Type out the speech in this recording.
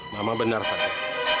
mama bener fadil